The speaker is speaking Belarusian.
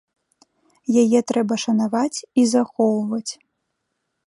Яе трэба шанаваць і захоўваць.